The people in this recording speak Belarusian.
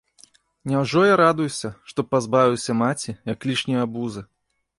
Няўжо я радуюся, што пазбавіўся маці, як лішняе абузы?